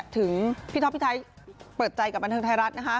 ถึงพี่ท็อปพี่ไทยเปิดใจกับบันเทิงไทยรัฐนะคะ